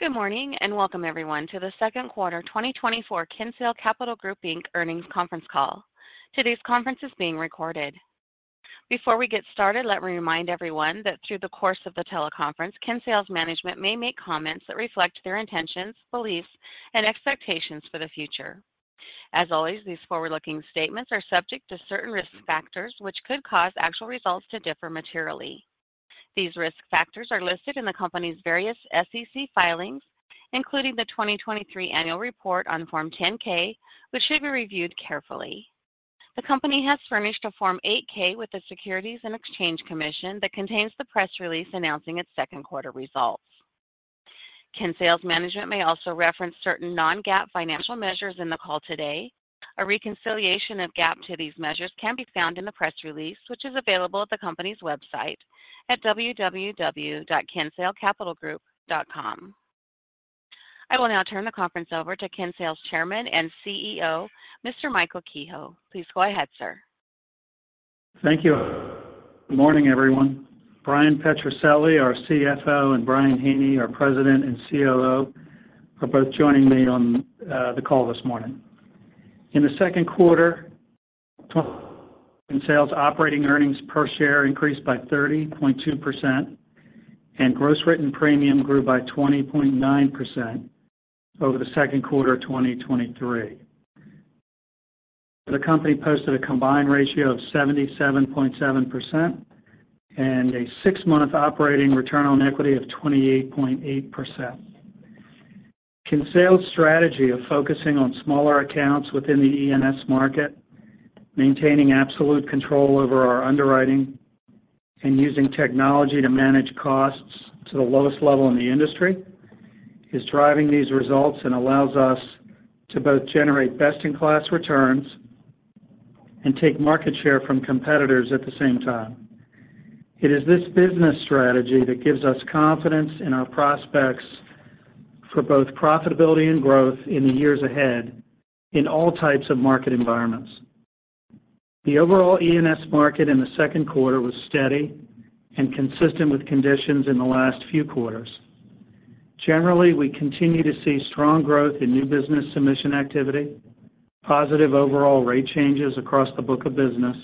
Good morning and welcome, everyone, to the Second Quarter 2024 Kinsale Capital Group Inc Earnings Conference Call. Today's conference is being recorded. Before we get started, let me remind everyone that through the course of the teleconference, Kinsale's management may make comments that reflect their intentions, beliefs, and expectations for the future. As always, these forward-looking statements are subject to certain risk factors which could cause actual results to differ materially. These risk factors are listed in the company's various SEC filings, including the 2023 annual report on Form 10-K, which should be reviewed carefully. The company has furnished a Form 8-K with the Securities and Exchange Commission that contains the press release announcing its second quarter results. Kinsale's management may also reference certain non-GAAP financial measures in the call today. A reconciliation of GAAP to these measures can be found in the press release, which is available at the company's website at www.kinsalecapitalgroup.com. I will now turn the conference over to Kinsale's Chairman and CEO, Mr. Michael Kehoe. Please go ahead, sir. Thank you. Good morning, everyone. Bryan Petrucelli, our CFO, and Brian Haney, our President and COO, are both joining me on the call this morning. In the second quarter, Kinsale's operating earnings per share increased by 30.2%, and gross written premium grew by 20.9% over the second quarter of 2023. The company posted a combined ratio of 77.7% and a six-month operating return on equity of 28.8%. Kinsale's strategy of focusing on smaller accounts within the E&S market, maintaining absolute control over our underwriting, and using technology to manage costs to the lowest level in the industry is driving these results and allows us to both generate best-in-class returns and take market share from competitors at the same time. It is this business strategy that gives us confidence in our prospects for both profitability and growth in the years ahead in all types of market environments. The overall E&S market in the second quarter was steady and consistent with conditions in the last few quarters. Generally, we continue to see strong growth in new business submission activity, positive overall rate changes across the book of business,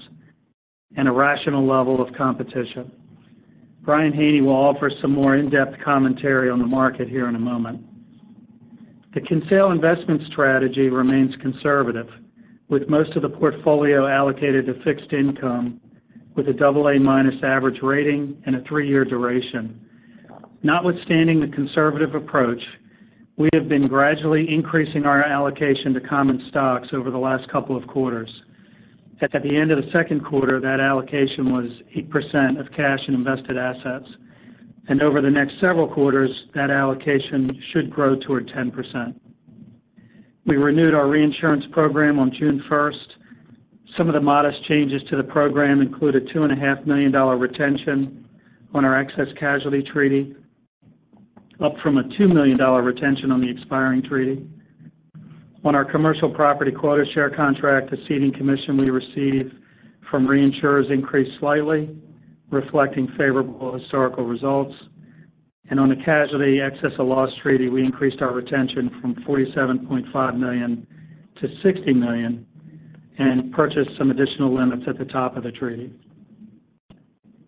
and a rational level of competition. Brian Haney will offer some more in-depth commentary on the market here in a moment. The Kinsale investment strategy remains conservative, with most of the portfolio allocated to fixed income with a double-A minus average rating and a three year duration. Notwithstanding the conservative approach, we have been gradually increasing our allocation to common stocks over the last couple of quarters. At the end of the second quarter, that allocation was 8% of cash and invested assets. Over the next several quarters, that allocation should grow toward 10%. We renewed our reinsurance program on June 1st. Some of the modest changes to the program included a $2.5 million retention on our excess casualty treaty, up from a $2 million retention on the expiring treaty. On our commercial property quota share contract, the ceding commission we receive from reinsurers increased slightly, reflecting favorable historical results. On the casualty excess of loss treaty, we increased our retention from $47.5 million-$60 million and purchased some additional limits at the top of the treaty.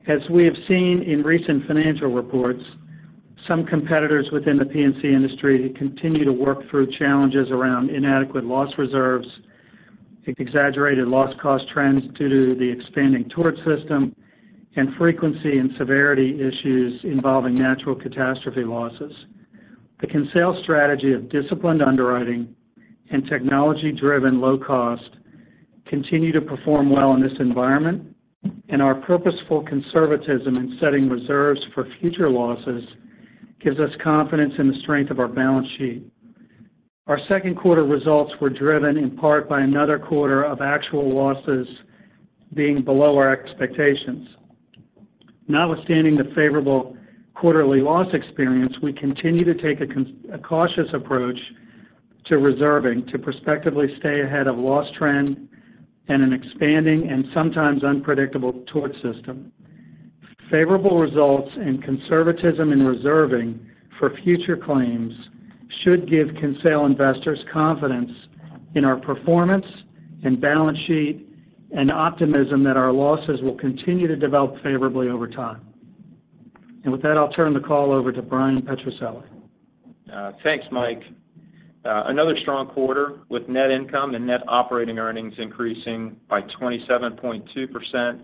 As we have seen in recent financial reports, some competitors within the P&C industry continue to work through challenges around inadequate loss reserves, exaggerated loss cost trends due to the expanding tort system, and frequency and severity issues involving natural catastrophe losses. The Kinsale strategy of disciplined underwriting and technology-driven low cost continue to perform well in this environment, and our purposeful conservatism in setting reserves for future losses gives us confidence in the strength of our balance sheet. Our second quarter results were driven in part by another quarter of actual losses being below our expectations. Notwithstanding the favorable quarterly loss experience, we continue to take a cautious approach to reserving to prospectively stay ahead of loss trend and an expanding and sometimes unpredictable tort system. Favorable results and conservatism in reserving for future claims should give Kinsale investors confidence in our performance and balance sheet and optimism that our losses will continue to develop favorably over time. With that, I'll turn the call over to Bryan Petrucelli. Thanks, Mike. Another strong quarter with net income and net operating earnings increasing by 27.2%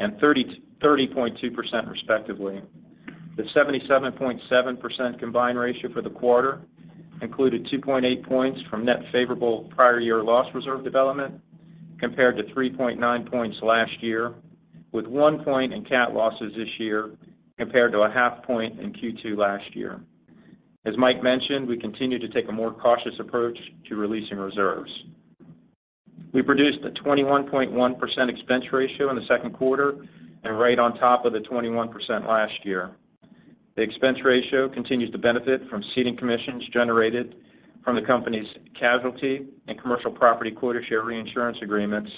and 30.2%, respectively. The 77.7% combined ratio for the quarter included 2.8 points from net favorable prior year loss reserve development compared to 3.9 points last year, with one point in cat losses this year compared to 0.5 point in Q2 last year. As Mike mentioned, we continue to take a more cautious approach to releasing reserves. We produced a 21.1% expense ratio in the second quarter and right on top of the 21% last year. The expense ratio continues to benefit from ceding commissions generated from the company's casualty and commercial property quota share reinsurance agreements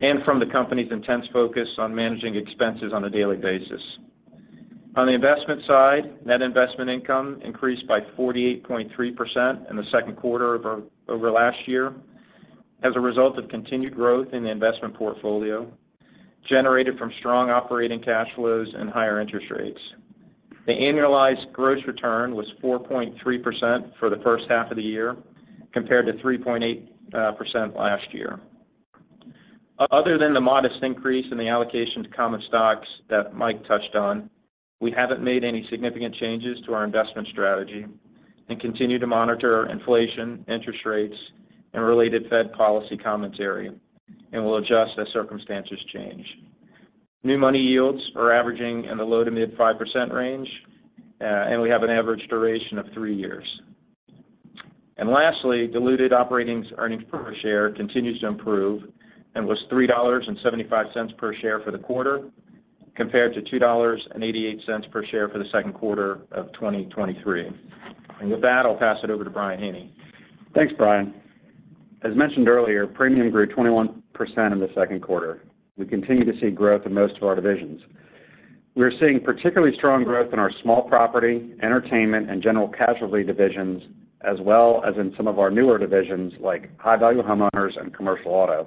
and from the company's intense focus on managing expenses on a daily basis. On the investment side, net investment income increased by 48.3% in the second quarter over last year as a result of continued growth in the investment portfolio generated from strong operating cash flows and higher interest rates. The annualized gross return was 4.3% for the first half of the year compared to 3.8% last year. Other than the modest increase in the allocation to common stocks that Mike touched on, we haven't made any significant changes to our investment strategy and continue to monitor inflation, interest rates, and related Fed policy commentary, and we'll adjust as circumstances change. New money yields are averaging in the low to mid 5% range, and we have an average duration of three years. Lastly, diluted operating earnings per share continues to improve and was $3.75 per share for the quarter compared to $2.88 per share for the second quarter of 2023. With that, I'll pass it over to Brian Haney. Thanks, Bryan. As mentioned earlier, premium grew 21% in the second quarter. We continue to see growth in most of our divisions. We are seeing particularly strong growth in our Small Property, Entertainment, and General Casualty divisions, as well as in some of our newer divisions like High Value Homeowners and Commercial Auto.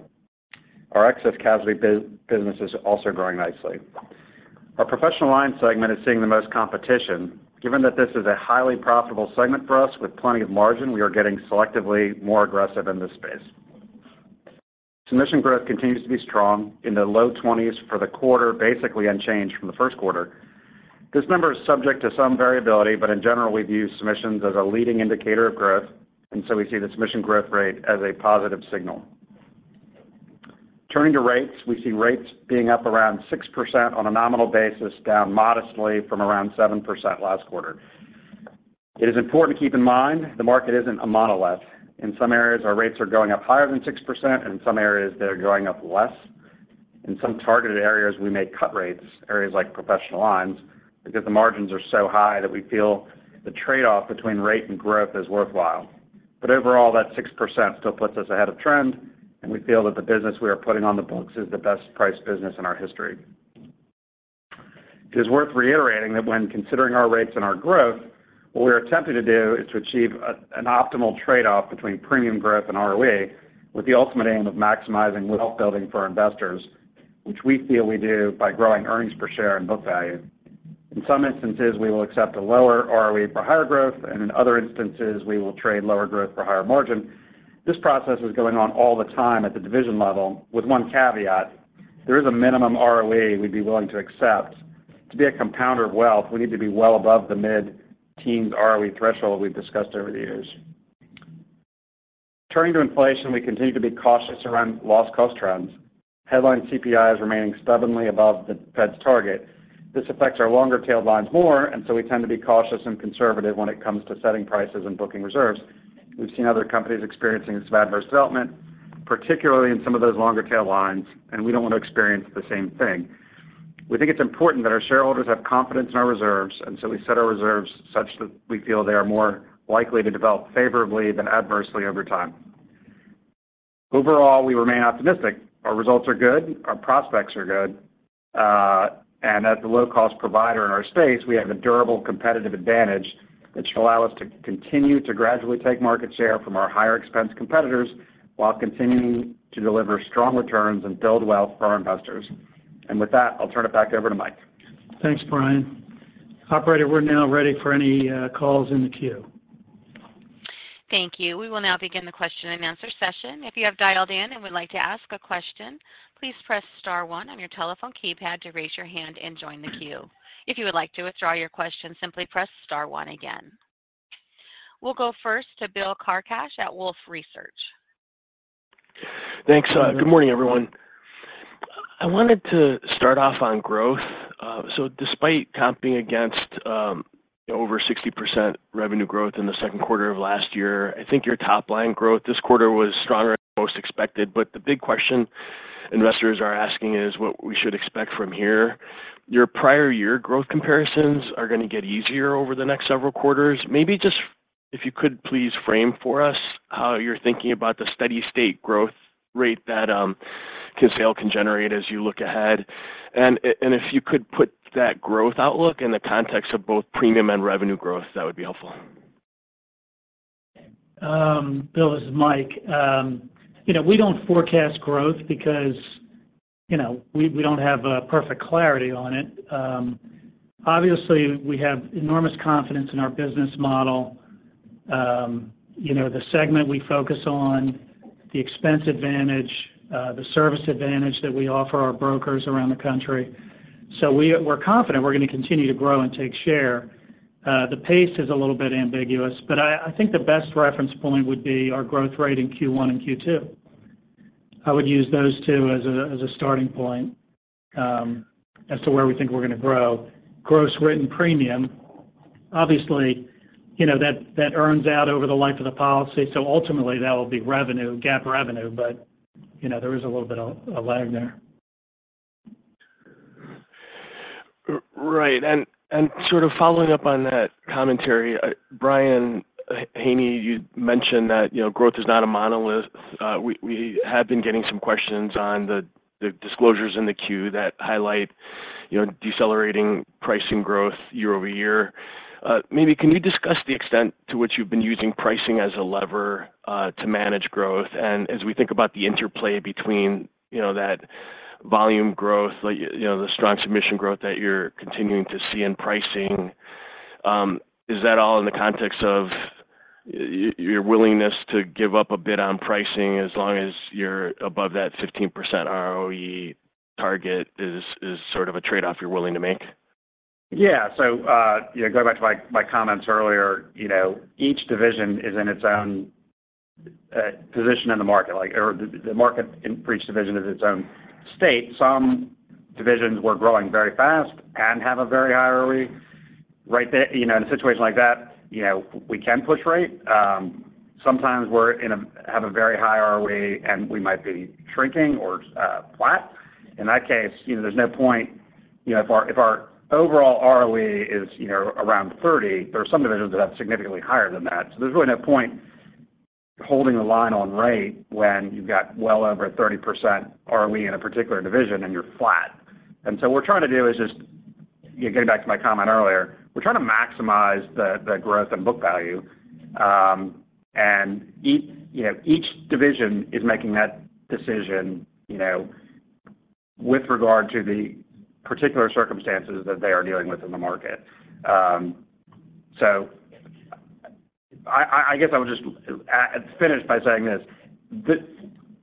Our Excess Casualty business is also growing nicely. Our professional lines segment is seeing the most competition. Given that this is a highly profitable segment for us with plenty of margin, we are getting selectively more aggressive in this space. Submission growth continues to be strong in the low 20s for the quarter, basically unchanged from the first quarter. This number is subject to some variability, but in general, we view submissions as a leading indicator of growth, and so we see the submission growth rate as a positive signal. Turning to rates, we see rates being up around 6% on a nominal basis, down modestly from around 7% last quarter. It is important to keep in mind the market isn't a monolith. In some areas, our rates are going up higher than 6%, and in some areas, they're going up less. In some targeted areas, we may cut rates, areas like professional lines, because the margins are so high that we feel the trade-off between rate and growth is worthwhile. But overall, that 6% still puts us ahead of trend, and we feel that the business we are putting on the books is the best-priced business in our history. It is worth reiterating that when considering our rates and our growth, what we are attempting to do is to achieve an optimal trade-off between premium growth and ROE with the ultimate aim of maximizing wealth building for our investors, which we feel we do by growing earnings per share and book value. In some instances, we will accept a lower ROE for higher growth, and in other instances, we will trade lower growth for higher margin. This process is going on all the time at the division level with one caveat. There is a minimum ROE we'd be willing to accept. To be a compounder of wealth, we need to be well above the mid-teens ROE threshold we've discussed over the years. Turning to inflation, we continue to be cautious around loss cost trends. Headline CPI is remaining stubbornly above the Fed's target. This affects our longer-tailed lines more, and so we tend to be cautious and conservative when it comes to setting prices and booking reserves. We've seen other companies experiencing some adverse development, particularly in some of those longer-tailed lines, and we don't want to experience the same thing. We think it's important that our shareholders have confidence in our reserves, and so we set our reserves such that we feel they are more likely to develop favorably than adversely over time. Overall, we remain optimistic. Our results are good. Our prospects are good. And as a low-cost provider in our space, we have a durable competitive advantage that should allow us to continue to gradually take market share from our higher-expense competitors while continuing to deliver strong returns and build wealth for our investors. And with that, I'll turn it back over to Mike. Thanks, Brian. Operator, we're now ready for any calls in the queue. Thank you. We will now begin the question and answer session. If you have dialed in and would like to ask a question, please press star one on your telephone keypad to raise your hand and join the queue. If you would like to withdraw your question, simply press star one again. We'll go first to Bill Carcache at Wolfe Research. Thanks. Good morning, everyone. I wanted to start off on growth. Despite comping against over 60% revenue growth in the second quarter of last year, I think your top-line growth this quarter was stronger than most expected. The big question investors are asking is what we should expect from here. Your prior year growth comparisons are going to get easier over the next several quarters. Maybe just if you could please frame for us how you're thinking about the steady-state growth rate that Kinsale can generate as you look ahead. If you could put that growth outlook in the context of both premium and revenue growth, that would be helpful. Bill, this is Mike. We don't forecast growth because we don't have perfect clarity on it. Obviously, we have enormous confidence in our business model, the segment we focus on, the expense advantage, the service advantage that we offer our brokers around the country. So we're confident we're going to continue to grow and take share. The pace is a little bit ambiguous, but I think the best reference point would be our growth rate in Q1 and Q2. I would use those two as a starting point as to where we think we're going to grow. Gross written premium, obviously, that earns out over the life of the policy. So ultimately, that will be revenue, GAAP revenue, but there is a little bit of lag there. Right. And sort of following up on that commentary, Brian Haney, you mentioned that growth is not a monolith. We have been getting some questions on the disclosures in the queue that highlight decelerating pricing growth year-over-year. Maybe can you discuss the extent to which you've been using pricing as a lever to manage growth? And as we think about the interplay between that volume growth, the strong submission growth that you're continuing to see in pricing, is that all in the context of your willingness to give up a bit on pricing as long as you're above that 15% ROE target is sort of a trade-off you're willing to make? Yeah. So going back to my comments earlier, each division is in its own position in the market. The market for each division is its own state. Some divisions were growing very fast and have a very high ROE. In a situation like that, we can push rate. Sometimes we have a very high ROE, and we might be shrinking or flat. In that case, there's no point. If our overall ROE is around 30, there are some divisions that have significantly higher than that. So there's really no point holding the line on rate when you've got well over 30% ROE in a particular division and you're flat. And so what we're trying to do is just getting back to my comment earlier, we're trying to maximize the growth and book value. Each division is making that decision with regard to the particular circumstances that they are dealing with in the market. So I guess I would just finish by saying this.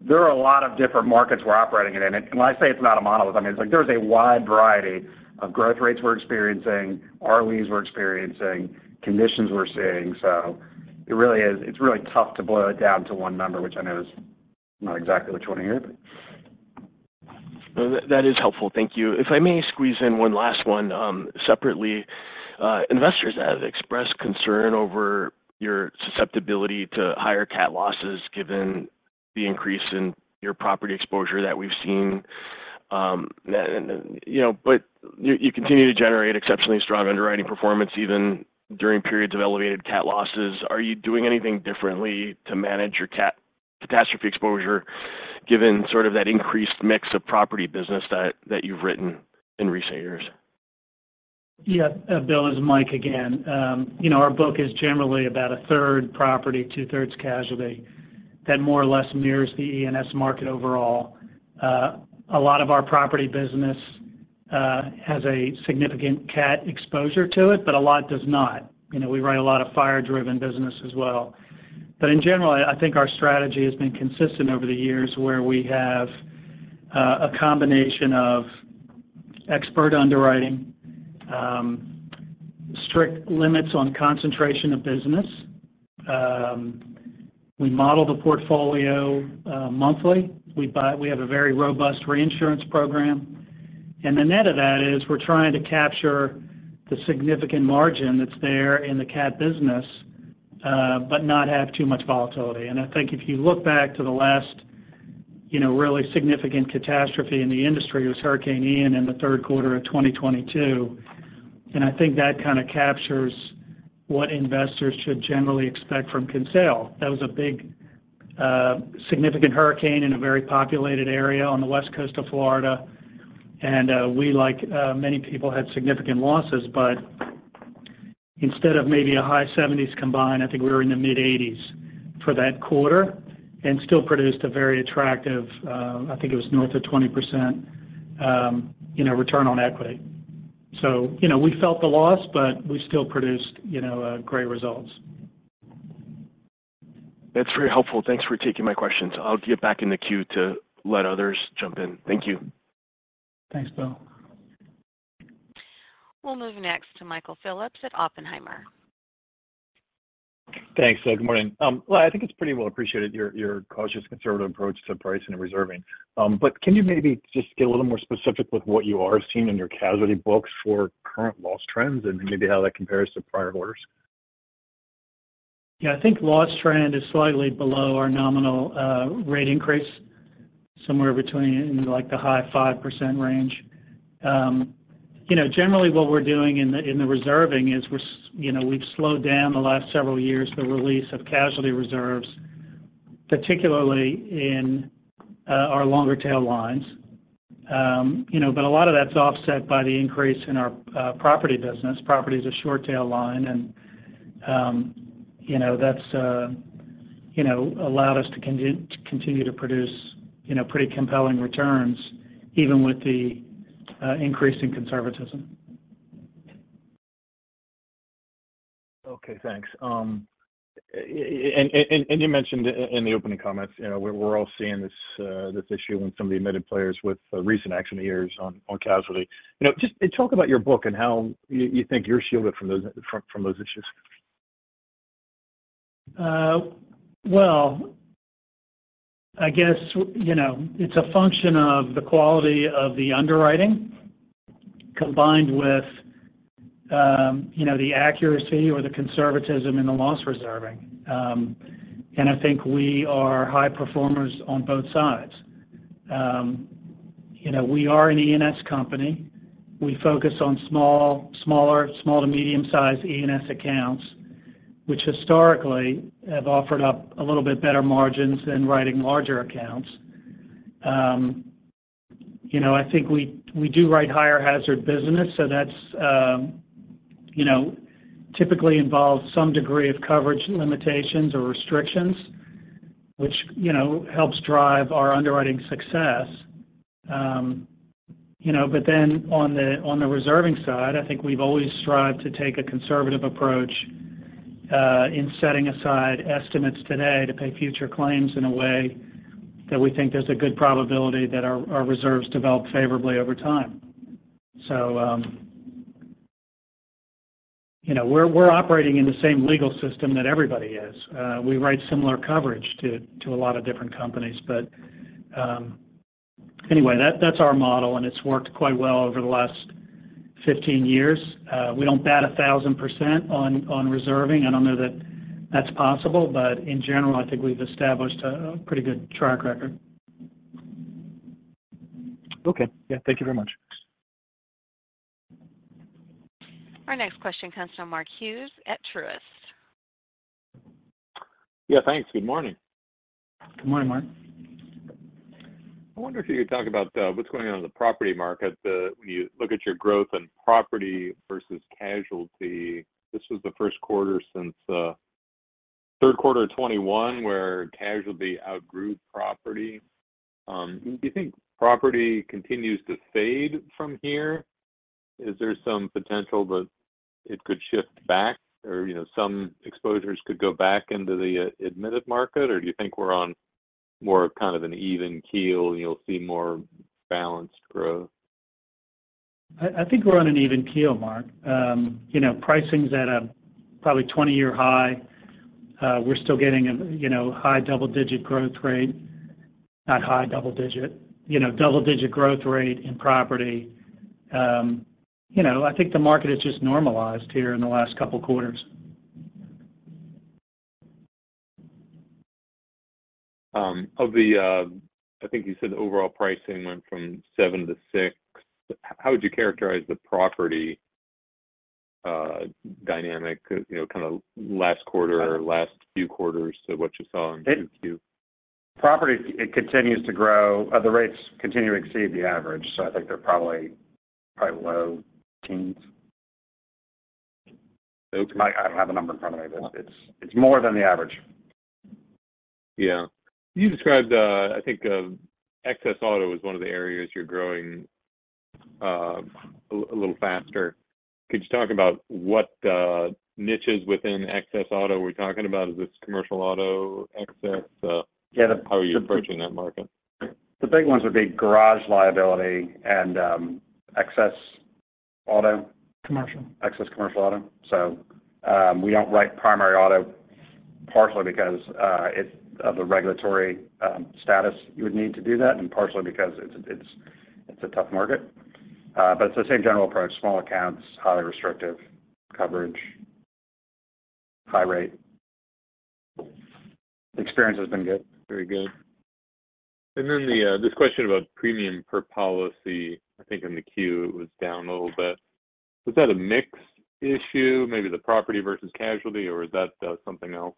There are a lot of different markets we're operating in. When I say it's not a monolith, I mean, there's a wide variety of growth rates we're experiencing, ROEs we're experiencing, conditions we're seeing. So it's really tough to boil it down to one number, which I know is not exactly what you want to hear, but. That is helpful. Thank you. If I may squeeze in one last one separately. Investors have expressed concern over your susceptibility to higher cat losses given the increase in your property exposure that we've seen. But you continue to generate exceptionally strong underwriting performance even during periods of elevated cat losses. Are you doing anything differently to manage your catastrophe exposure given sort of that increased mix of property business that you've written in recent years? Yeah. Bill, this is Mike again. Our book is generally about 1/3 property, 2/3 casualty. That more or less mirrors the E&S market overall. A lot of our property business has a significant cat exposure to it, but a lot does not. We write a lot of fire-driven business as well. But in general, I think our strategy has been consistent over the years where we have a combination of expert underwriting, strict limits on concentration of business. We model the portfolio monthly. We have a very robust reinsurance program. And the net of that is we're trying to capture the significant margin that's there in the cat business but not have too much volatility. And I think if you look back to the last really significant catastrophe in the industry, it was Hurricane Ian in the third quarter of 2022. I think that kind of captures what investors should generally expect from Kinsale. That was a big significant hurricane in a very populated area on the West Coast of Florida. We, like many people, had significant losses. But instead of maybe a high 70s combined, I think we were in the mid-80s for that quarter and still produced a very attractive, I think it was north of 20% return on equity. We felt the loss, but we still produced great results. That's very helpful. Thanks for taking my questions. I'll get back in the queue to let others jump in. Thank you. Thanks, Bill. We'll move next to Michael Phillips at Oppenheimer. Thanks. Good morning. I think it's pretty well appreciated your cautious, conservative approach to pricing and reserving. But can you maybe just get a little more specific with what you are seeing in your casualty books for current loss trends and maybe how that compares to prior orders? Yeah. I think loss trend is slightly below our nominal rate increase, somewhere between the high 5% range. Generally, what we're doing in the reserving is we've slowed down the last several years the release of casualty reserves, particularly in our longer-tail lines. But a lot of that's offset by the increase in our property business. Property is a short-tail line, and that's allowed us to continue to produce pretty compelling returns even with the increase in conservatism. Okay. Thanks. And you mentioned in the opening comments we're all seeing this issue in some of the admitted players with recent accident years on casualty. Just talk about your book and how you think you're shielded from those issues. Well, I guess it's a function of the quality of the underwriting combined with the accuracy or the conservatism in the loss reserving. I think we are high performers on both sides. We are an E&S company. We focus on small, smaller, small to medium-sized E&S accounts, which historically have offered up a little bit better margins than writing larger accounts. I think we do write higher hazard business, so that typically involves some degree of coverage limitations or restrictions, which helps drive our underwriting success. But then on the reserving side, I think we've always strived to take a conservative approach in setting aside estimates today to pay future claims in a way that we think there's a good probability that our reserves develop favorably over time. So we're operating in the same legal system that everybody is. We write similar coverage to a lot of different companies. But anyway, that's our model, and it's worked quite well over the last 15 years. We don't bat 1,000% on reserving. I don't know that that's possible, but in general, I think we've established a pretty good track record. Okay. Yeah. Thank you very much. Our next question comes from Mark Hughes at Truist. Yeah. Thanks. Good morning. Good morning, Mark. I wonder if you could talk about what's going on in the property market. When you look at your growth in property versus casualty, this was the first quarter since third quarter of 2021 where casualty outgrew property. Do you think property continues to fade from here? Is there some potential that it could shift back or some exposures could go back into the admitted market? Or do you think we're on more of kind of an even keel and you'll see more balanced growth? I think we're on an even keel, Mark. Pricing's at a probably 20-year high. We're still getting a high double-digit growth rate, not high double-digit, double-digit growth rate in property. I think the market has just normalized here in the last couple of quarters. I think you said the overall pricing went from seven to six. How would you characterize the property dynamic kind of last quarter, last few quarters to what you saw in the queue? Property, it continues to grow. The rates continue to exceed the average. So I think they're probably quite low teens. Okay. I don't have a number in front of me, but it's more than the average. Yeah. You described, I think Excess Auto was one of the areas you're growing a little faster. Could you talk about what niches within Excess Auto we're talking about? Is this commercial auto excess? How are you approaching that market? The big ones would be Garage Liability and Excess Auto. Commercial. Excess Commercial Auto. So we don't write primary auto partially because of the regulatory status you would need to do that and partially because it's a tough market. But it's the same general approach. Small accounts, highly restrictive coverage, high rate. Experience has been good. Very good. And then this question about premium per policy, I think in the queue it was down a little bit. Was that a mix issue, maybe the property versus casualty, or is that something else?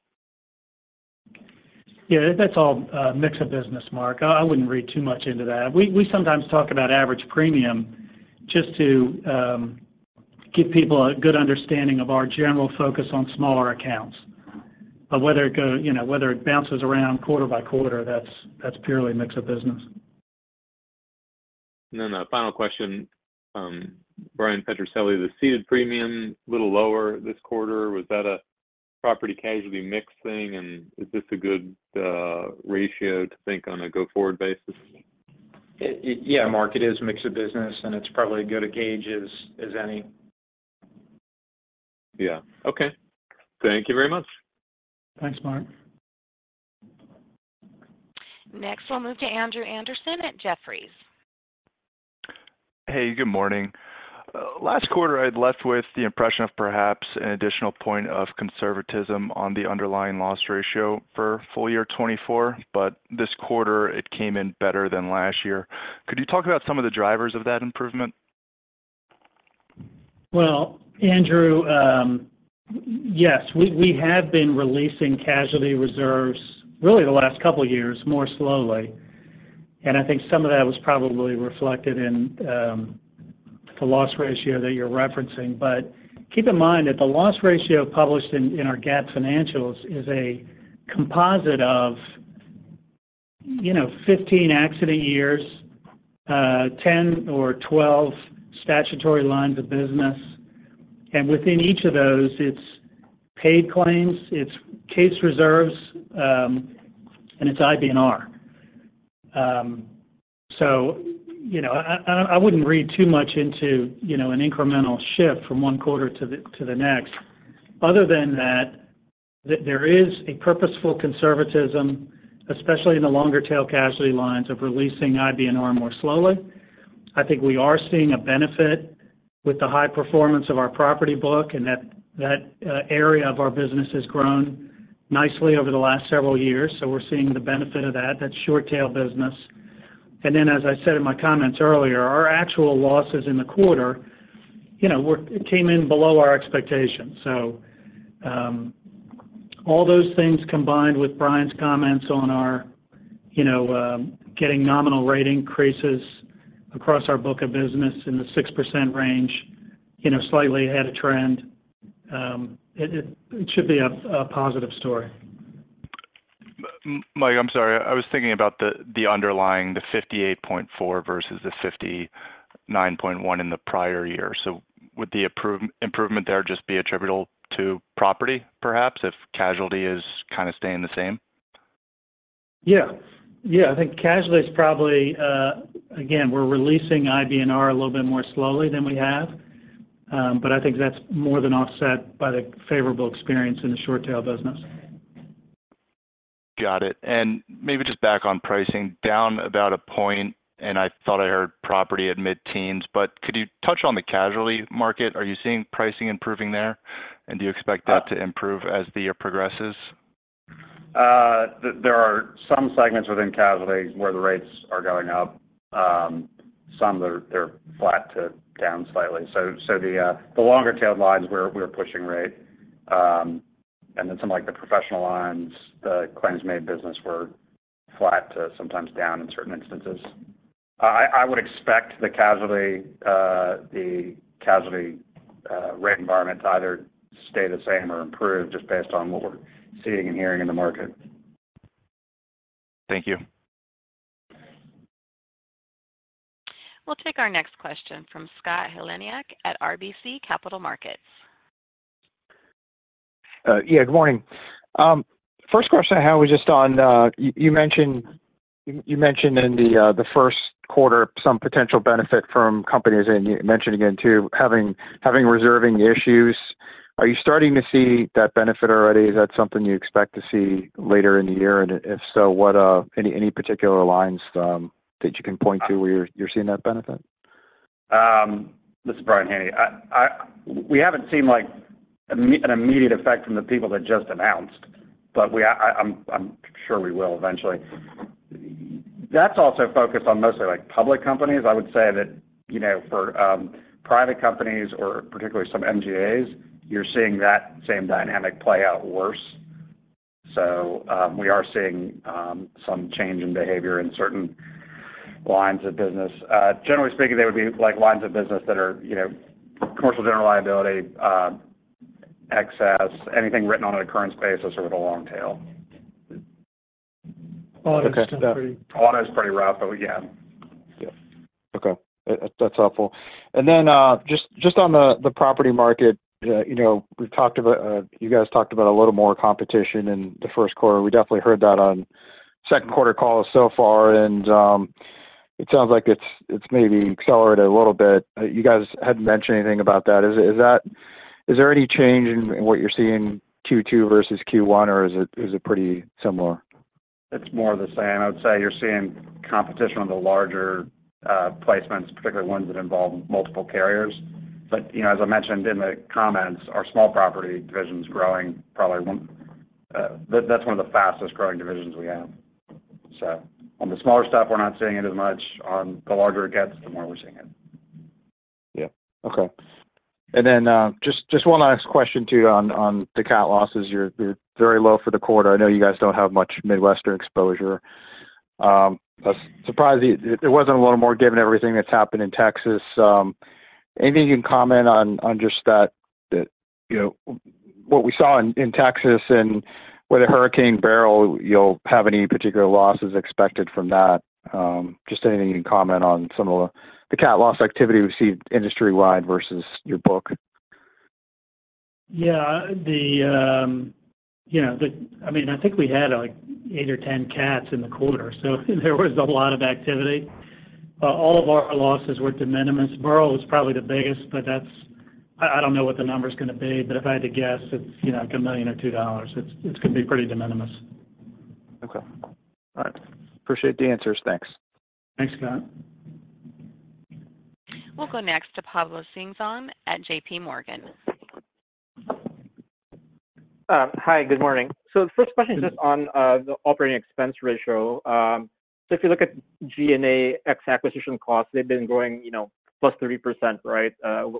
Yeah. That's all a mix of business, Mark. I wouldn't read too much into that. We sometimes talk about average premium just to give people a good understanding of our general focus on smaller accounts. But whether it bounces around quarter by quarter, that's purely mixed up business. No, no. Final question, Bryan Petrucelli, the ceded premium a little lower this quarter. Was that a property-casualty mix thing? And is this a good ratio to think on a go-forward basis? Yeah. Mark, it is mixed business, and it's probably good to gauge as any. Yeah. Okay. Thank you very much. Thanks, Mark. Next, we'll move to Andrew Andersen at Jefferies. Hey, good morning. Last quarter, I'd left with the impression of perhaps an additional point of conservatism on the underlying loss ratio for full year 2024. But this quarter, it came in better than last year. Could you talk about some of the drivers of that improvement? Well, Andrew, yes. We have been releasing casualty reserves really the last couple of years more slowly. And I think some of that was probably reflected in the loss ratio that you're referencing. But keep in mind that the loss ratio published in our GAAP financials is a composite of 15 accident years, 10 or 12 statutory lines of business. And within each of those, it's paid claims, it's case reserves, and it's IBNR. So I wouldn't read too much into an incremental shift from one quarter to the next. Other than that, there is a purposeful conservatism, especially in the longer-tail casualty lines of releasing IBNR more slowly. I think we are seeing a benefit with the high performance of our property book and that area of our business has grown nicely over the last several years. So we're seeing the benefit of that, that short-tail business. And then, as I said in my comments earlier, our actual losses in the quarter came in below our expectations. So all those things combined with Brian's comments on our getting nominal rate increases across our book of business in the 6% range, slightly ahead of trend, it should be a positive story. Mike, I'm sorry. I was thinking about the underlying, the 58.4 versus the 59.1 in the prior year. So would the improvement there just be attributable to property perhaps if casualty is kind of staying the same? Yeah. Yeah. I think casualty is probably, again, we're releasing IBNR a little bit more slowly than we have. But I think that's more than offset by the favorable experience in the short-tail business. Got it. And maybe just back on pricing, down about a point, and I thought I heard property at mid-teens. But could you touch on the casualty market? Are you seeing pricing improving there? And do you expect that to improve as the year progresses? There are some segments within casualty where the rates are going up. Some, they're flat to down slightly. So the longer-tailed lines were pushing rate. And then some of the professional lines, the claims-made business were flat to sometimes down in certain instances. I would expect the casualty rate environment to either stay the same or improve just based on what we're seeing and hearing in the market. Thank you. We'll take our next question from Scott Heleniak at RBC Capital Markets. Yeah. Good morning. First question I have is just on you mentioned in the first quarter some potential benefit from companies, and you mentioned again too having reserving issues. Are you starting to see that benefit already? Is that something you expect to see later in the year? And if so, any particular lines that you can point to where you're seeing that benefit? This is Brian Haney. We haven't seen an immediate effect from the people that just announced, but I'm sure we will eventually. That's also focused on mostly public companies. I would say that for private companies or particularly some MGAs, you're seeing that same dynamic play out worse. So we are seeing some change in behavior in certain lines of business. Generally speaking, they would be lines of business that are commercial general liability, excess, anything written on an occurrence basis or with a long tail. Auto is pretty. Auto is pretty rough, but yeah. Yeah. Okay. That's helpful. And then just on the property market, we've talked about you guys talked about a little more competition in the first quarter. We definitely heard that on second quarter calls so far. And it sounds like it's maybe accelerated a little bit. You guys hadn't mentioned anything about that. Is there any change in what you're seeing Q2 versus Q1, or is it pretty similar? It's more of the same. I would say you're seeing competition on the larger placements, particularly ones that involve multiple carriers. But as I mentioned in the comments, our Small Property division is growing probably one that's one of the fastest growing divisions we have. So on the smaller stuff, we're not seeing it as much. On the larger it gets, the more we're seeing it. Yeah. Okay. And then just one last question too on the cat losses. You're very low for the quarter. I know you guys don't have much Midwestern exposure. It wasn't a little more given everything that's happened in Texas. Anything you can comment on just that, what we saw in Texas and whether Hurricane Beryl, you'll have any particular losses expected from that? Just anything you can comment on some of the cat loss activity we've seen industry-wide versus your book? Yeah. I mean, I think we had like eight or 10 cats in the quarter, so there was a lot of activity. All of our losses were de minimis. Beryl was probably the biggest, but I don't know what the number's going to be. But if I had to guess, it's like $1 million or $2 million. It's going to be pretty de minimis. Okay. All right. Appreciate the answers. Thanks. Thanks, Scott. We'll go next to Pablo Singzon at JPMorgan. Hi. Good morning. So the first question is just on the operating expense ratio. So if you look at G&A ex-acquisition costs, they've been growing +30%, right,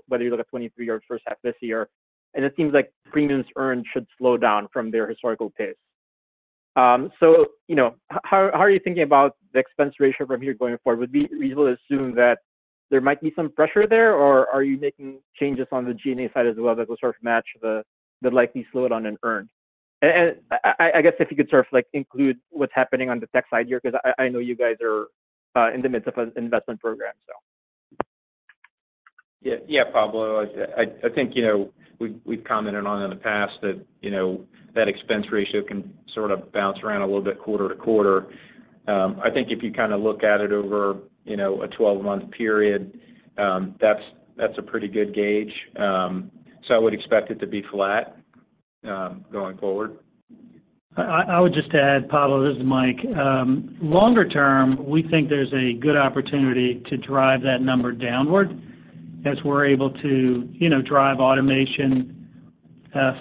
whether you look at 2023 or first half this year. And it seems like premiums earned should slow down from their historical pace. So how are you thinking about the expense ratio from here going forward? Would it be reasonable to assume that there might be some pressure there, or are you making changes on the G&A side as well that will sort of match the likely slowdown in earned? And I guess if you could sort of include what's happening on the tech side here because I know you guys are in the midst of an investment program, so. Yeah. Yeah, Pablo. I think we've commented on in the past that that expense ratio can sort of bounce around a little bit quarter to quarter. I think if you kind of look at it over a 12-month period, that's a pretty good gauge. So I would expect it to be flat going forward. I would just add, Pablo, this is Mike. Longer term, we think there's a good opportunity to drive that number downward as we're able to drive automation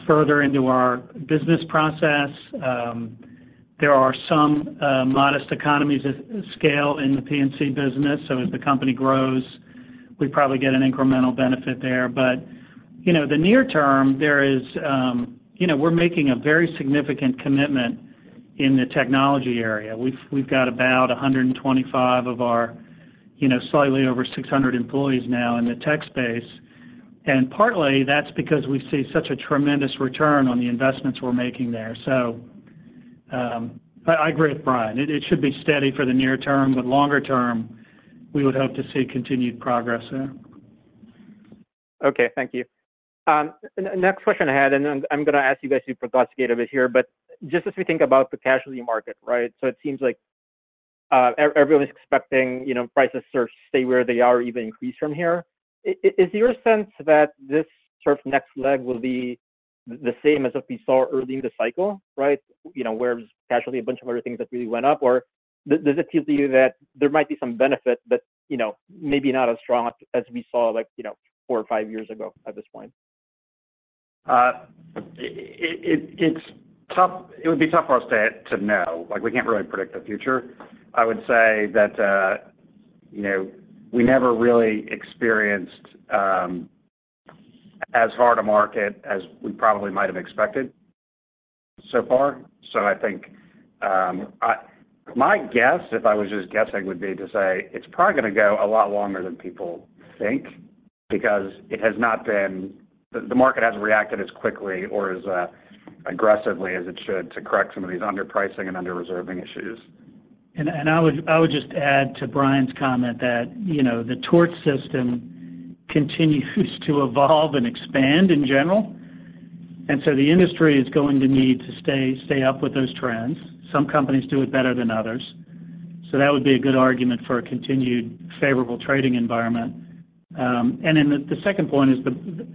further into our business process. There are some modest economies of scale in the P&C business. So as the company grows, we probably get an incremental benefit there. But in the near term, we're making a very significant commitment in the technology area. We've got about 125 of our slightly over 600 employees now in the tech space. And partly, that's because we see such a tremendous return on the investments we're making there. So I agree with Bryan. It should be steady for the near term, but longer term, we would hope to see continued progress there. Okay. Thank you. Next question I had, and I'm going to ask you guys to be precise a little bit here, but just as we think about the casualty market, right? So it seems like everyone's expecting prices to stay where they are or even increase from here. Is your sense that this sort of next leg will be the same as what we saw early in the cycle, right, whereas casualty a bunch of other things that really went up? Or does it feel to you that there might be some benefit, but maybe not as strong as we saw like four or five years ago at this point? It would be tough for us to know. We can't really predict the future. I would say that we never really experienced as hard a market as we probably might have expected so far. So I think my guess, if I was just guessing, would be to say it's probably going to go a lot longer than people think because it has not been. The market hasn't reacted as quickly or as aggressively as it should to correct some of these underpricing and under-reserving issues. I would just add to Brian's comment that the tort system continues to evolve and expand in general. So the industry is going to need to stay up with those trends. Some companies do it better than others. So that would be a good argument for a continued favorable trading environment. Then the second point is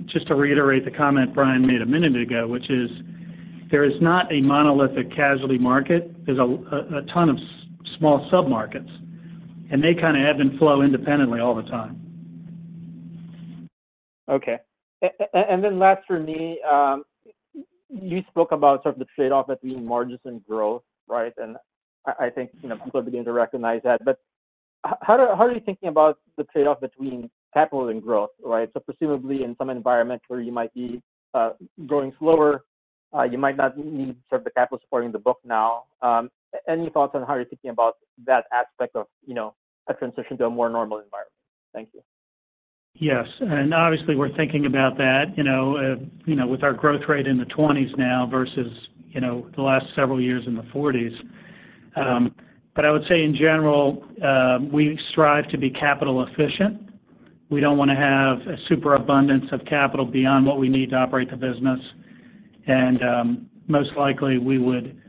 just to reiterate the comment Brian made a minute ago, which is there is not a monolithic casualty market. There's a ton of small sub-markets, and they kind of ebb and flow independently all the time. Okay. And then last for me, you spoke about sort of the trade-off between margins and growth, right? And I think people are beginning to recognize that. But how are you thinking about the trade-off between capital and growth, right? So presumably in some environment where you might be growing slower, you might not need sort of the capital supporting the book now. Any thoughts on how you're thinking about that aspect of a transition to a more normal environment? Thank you. Yes. And obviously, we're thinking about that with our growth rate in the 20s now versus the last several years in the 40s. But I would say in general, we strive to be capital efficient. We don't want to have a super abundance of capital beyond what we need to operate the business. And most likely, we would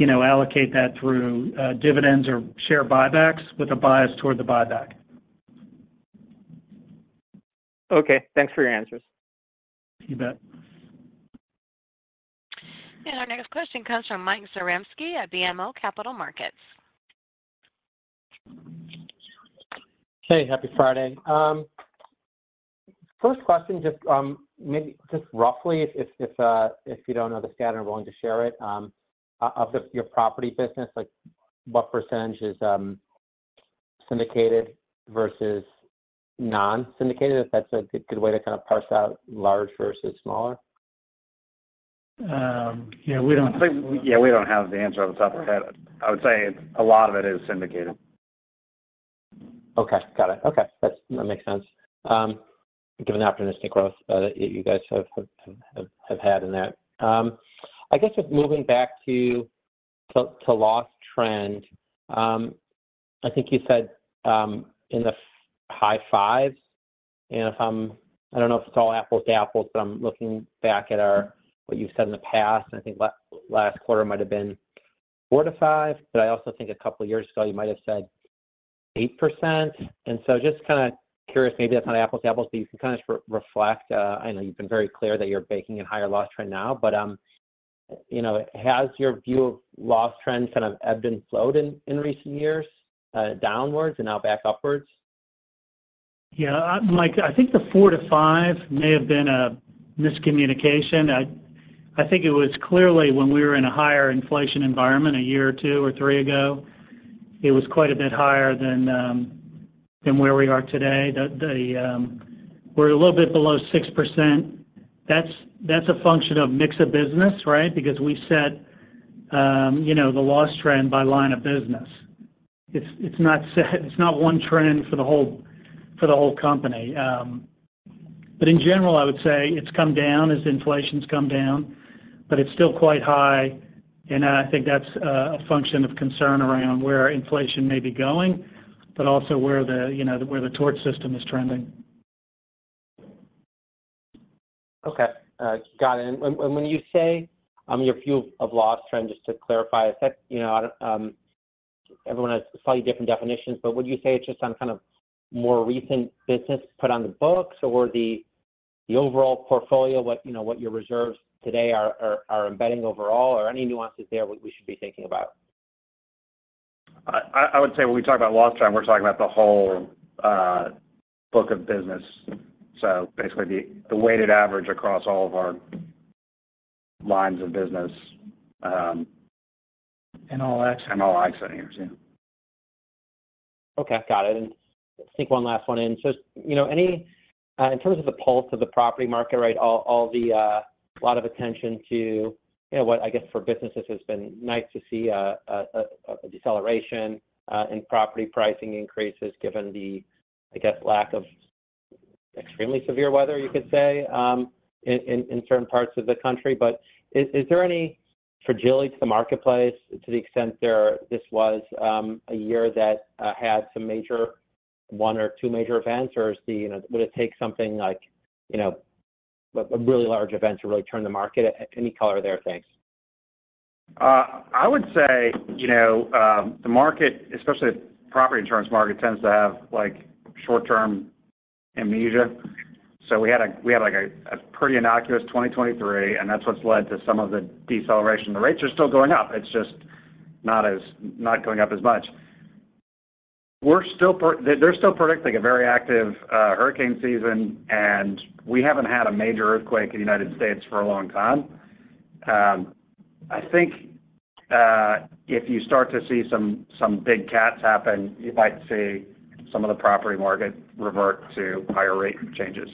allocate that through dividends or share buybacks with a bias toward the buyback. Okay. Thanks for your answers. You bet. Our next question comes from Mike Zaremski at BMO Capital Markets. Hey, happy Friday. First question, just roughly, if you don't know the stat and are willing to share it, of your property business, what percentage is syndicated versus non-syndicated? If that's a good way to kind of parse out large versus smaller? Yeah. We don't. Yeah. We don't have the answer off the top of our head. I would say a lot of it is syndicated. Okay. Got it. Okay. That makes sense. Given the opportunistic growth that you guys have had in that. I guess just moving back to loss trend, I think you said in the high fives. And I don't know if it's all apples to apples, but I'm looking back at what you've said in the past. I think last quarter might have been four to five, but I also think a couple of years ago, you might have said 8%. And so just kind of curious, maybe that's not apples to apples, but you can kind of reflect. I know you've been very clear that you're baking in higher loss trend now, but has your view of loss trend kind of ebbed and flowed in recent years downwards and now back upwards? Yeah. Mike, I think the four to five may have been a miscommunication. I think it was clearly when we were in a higher inflation environment a year or two or three ago, it was quite a bit higher than where we are today. We're a little bit below 6%. That's a function of mix of business, right, because we set the loss trend by line of business. It's not one trend for the whole company. But in general, I would say it's come down as inflation's come down, but it's still quite high. And I think that's a function of concern around where inflation may be going, but also where the tort system is trending. Okay. Got it. And when you say your view of loss trend, just to clarify, everyone has slightly different definitions, but would you say it's just on kind of more recent business put on the books or the overall portfolio, what your reserves today are embedding overall, or any nuances there we should be thinking about? I would say when we talk about loss trend, we're talking about the whole book of business. So basically, the weighted average across all of our lines of business. All acts. All acts in here, yeah. Okay. Got it. And I think one last one in. So in terms of the pulse of the property market, right, a lot of attention to what I guess for businesses has been nice to see a deceleration in property pricing increases given the, I guess, lack of extremely severe weather, you could say, in certain parts of the country. But is there any fragility to the marketplace to the extent this was a year that had some major one or two major events, or would it take something like a really large event to really turn the market? Any color there, thanks. I would say the market, especially the property insurance market, tends to have short-term amnesia. So we had a pretty innocuous 2023, and that's what's led to some of the deceleration. The rates are still going up. It's just not going up as much. They're still predicting a very active hurricane season, and we haven't had a major earthquake in the United States for a long time. I think if you start to see some big cats happen, you might see some of the property market revert to higher rate changes.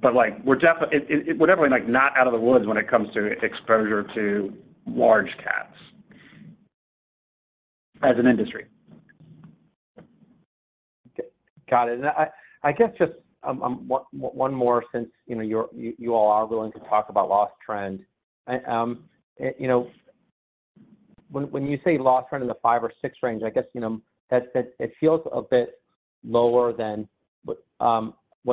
But we're definitely not out of the woods when it comes to exposure to large cats as an industry. Got it. And I guess just one more since you all are willing to talk about loss trend. When you say loss trend in the five or six range, I guess it feels a bit lower than what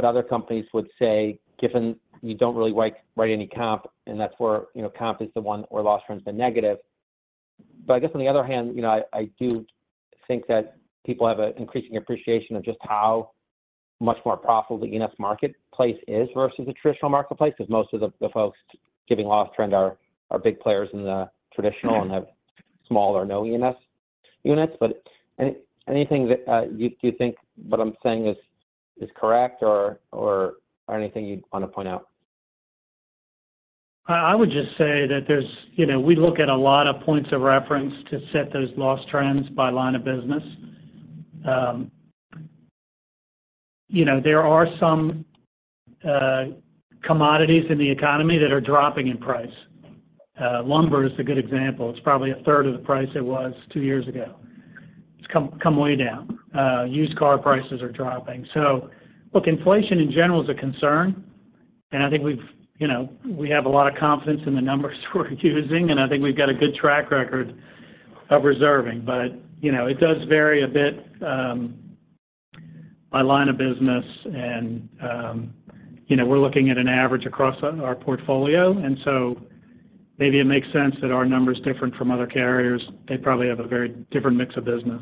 other companies would say given you don't really write any comp, and that's where comp is the one where loss trend's been negative. But I guess on the other hand, I do think that people have an increasing appreciation of just how much more profitable the E&S marketplace is versus the traditional marketplace because most of the folks giving loss trend are big players in the traditional and have small or no E&S units. But anything that you think what I'm saying is correct or anything you'd want to point out? I would just say that we look at a lot of points of reference to set those loss trends by line of business. There are some commodities in the economy that are dropping in price. Lumber is a good example. It's probably 1/3 of the price it was two years ago. It's come way down. Used car prices are dropping. So look, inflation in general is a concern, and I think we have a lot of confidence in the numbers we're using, and I think we've got a good track record of reserving. But it does vary a bit by line of business, and we're looking at an average across our portfolio. And so maybe it makes sense that our number's different from other carriers. They probably have a very different mix of business.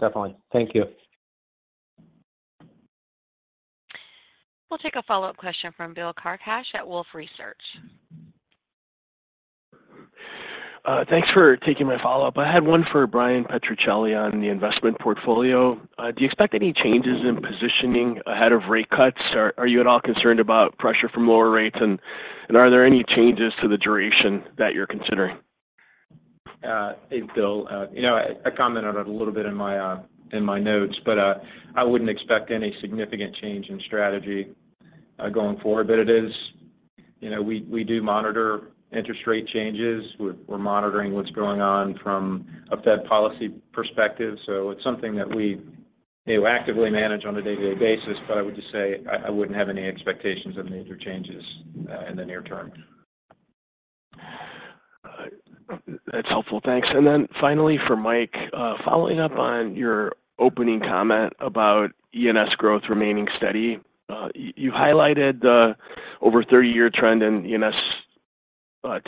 Definitely. Thank you. We'll take a follow-up question from Bill Carcache at Wolfe Research. Thanks for taking my follow-up. I had one for Bryan Petrucelli on the investment portfolio. Do you expect any changes in positioning ahead of rate cuts, or are you at all concerned about pressure from lower rates, and are there any changes to the duration that you're considering? Hey, Bill. I commented on it a little bit in my notes, but I wouldn't expect any significant change in strategy going forward. But it is we do monitor interest rate changes. We're monitoring what's going on from a Fed policy perspective. So it's something that we actively manage on a day-to-day basis. But I would just say I wouldn't have any expectations of major changes in the near term. That's helpful. Thanks. And then finally for Mike, following up on your opening comment about E&S growth remaining steady, you highlighted the over 30-year trend in E&S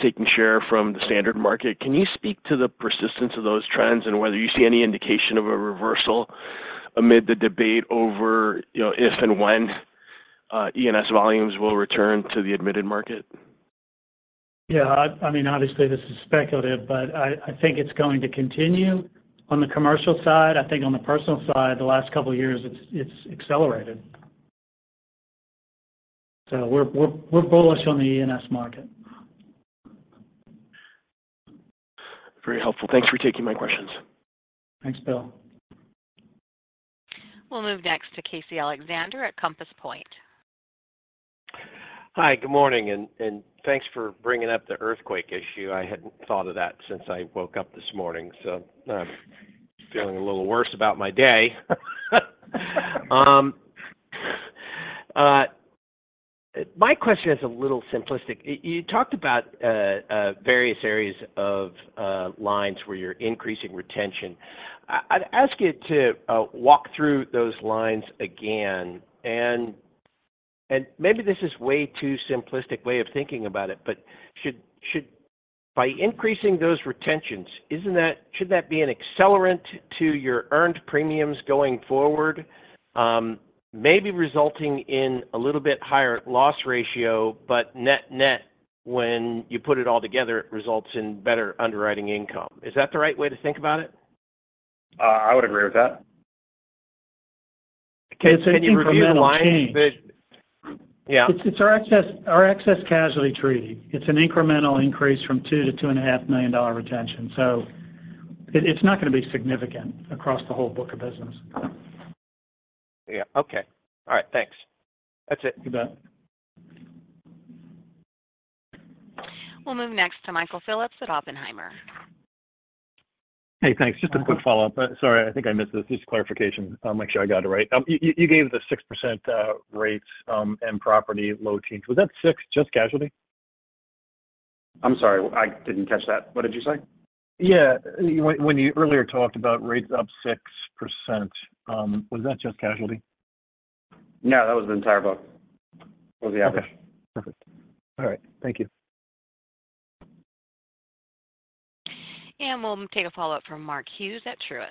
taking share from the standard market. Can you speak to the persistence of those trends and whether you see any indication of a reversal amid the debate over if and when E&S volumes will return to the admitted market? Yeah. I mean, obviously, this is speculative, but I think it's going to continue. On the commercial side, I think on the personal side, the last couple of years, it's accelerated. So we're bullish on the E&S market. Very helpful. Thanks for taking my questions. Thanks, Bill. We'll move next to Casey Alexander at Compass Point. Hi, good morning. Thanks for bringing up the earthquake issue. I hadn't thought of that since I woke up this morning, so I'm feeling a little worse about my day. My question is a little simplistic. You talked about various areas of lines where you're increasing retention. I'd ask you to walk through those lines again. Maybe this is way too simplistic way of thinking about it, but by increasing those retentions, should that be an accelerant to your earned premiums going forward, maybe resulting in a little bit higher loss ratio, but net-net when you put it all together, it results in better underwriting income? Is that the right way to think about it? I would agree with that. Can you review the lines? It's our Excess Casualty treaty. It's an incremental increase from $2 million-$2.5 million retention. So it's not going to be significant across the whole book of business. Yeah. Okay. All right. Thanks. That's it. You bet. We'll move next to Michael Phillips at Oppenheimer. Hey, thanks. Just a quick follow-up. Sorry, I think I missed this. Just clarification. I'll make sure I got it right. You gave the 6% rates and property loss change. Was that 6% just casualty? I'm sorry. I didn't catch that. What did you say? Yeah. When you earlier talked about rates up 6%, was that just casualty? No, that was the entire book. That was the average. Okay. Perfect. All right. Thank you. And we'll take a follow-up from Mark Hughes at Truist.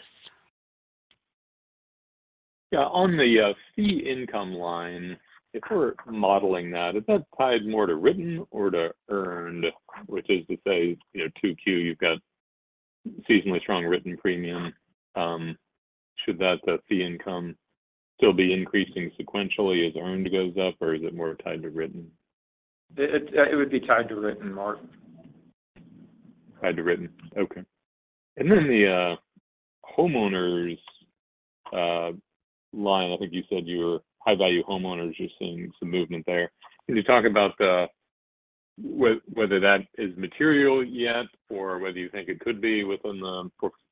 Yeah. On the fee income line, if we're modeling that, is that tied more to written or to earned, which is to say 2Q, you've got seasonally strong written premium. Should that fee income still be increasing sequentially as earned goes up, or is it more tied to written? It would be tied to written, Mark. Tied to written. Okay. And then the homeowners line, I think you said you were High Value Homeowners, you're seeing some movement there. Can you talk about whether that is material yet or whether you think it could be within the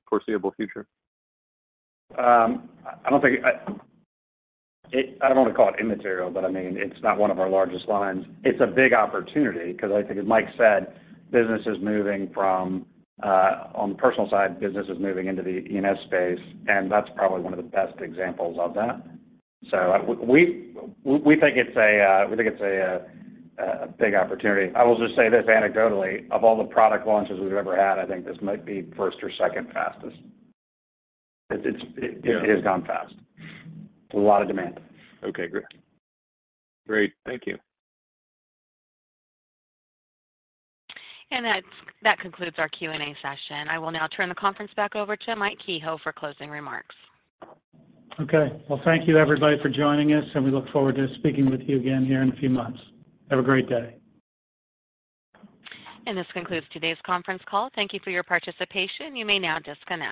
foreseeable future? I don't think I want to call it immaterial, but I mean, it's not one of our largest lines. It's a big opportunity because I think, as Mike said, business is moving from the personal side, business is moving into the E&S space, and that's probably one of the best examples of that. So we think it's a big opportunity. I will just say this anecdotally. Of all the product launches we've ever had, I think this might be first or second fastest. It has gone fast. There's a lot of demand. Okay. Great. Thank you. That concludes our Q&A session. I will now turn the conference back over to Mike Kehoe for closing remarks. Okay. Well, thank you, everybody, for joining us, and we look forward to speaking with you again here in a few months. Have a great day. This concludes today's conference call. Thank you for your participation. You may now disconnect.